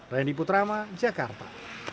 randy putrama jakarta